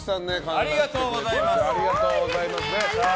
ありがとうございます。